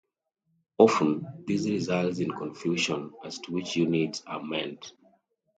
Often, this results in confusion as to which units are meant.